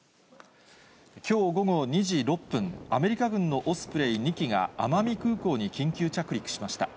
きょう午後２時６分、アメリカ軍のオスプレイ２機が、奄美空港に緊急着陸しました。